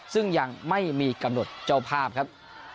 ซึ่งยังไม่มีกำหนดเจ้าภาพครับ